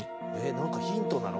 「なんかヒントなの？